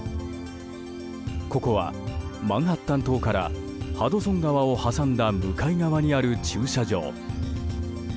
ここは、マンハッタン島からハドソン川を挟んだ向かい側にある駐車場。